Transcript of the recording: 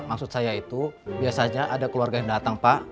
maksud saya itu biasanya ada keluarga yang datang pak